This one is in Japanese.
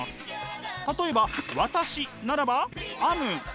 例えば私ならばａｍ。